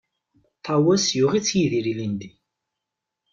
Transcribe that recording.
Ṭawes yuɣ-itt Yidir ilindi.